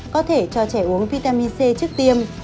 có thể cho trẻ uống vitamin c trước tiêm